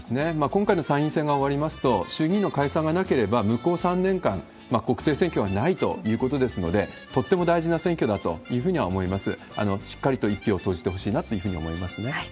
今回の参院選が終わりますと、衆議院の解散がなければ、向こう３年間、国政選挙はないということですので、とっても大事な選挙だというふうには思います。